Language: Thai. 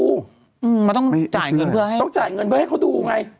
อืมมันต้องจ่ายเงินเพื่อให้ต้องจ่ายเงินเพื่อให้เขาดูไง